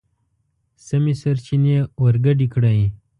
سمې سرچينې ورګډې کړئ!.